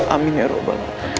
amin ya rabbal alam